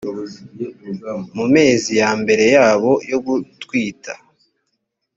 mu mezi ya mbere yabo yo gutwita